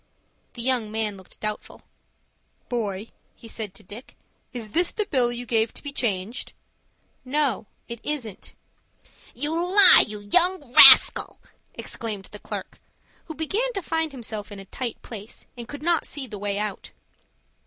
The young man looked doubtful. "Boy," he said to Dick, "is this the bill you gave to be changed?" "No, it isn't." "You lie, you young rascal!" exclaimed the clerk, who began to find himself in a tight place, and could not see the way out.